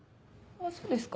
あっそうですか？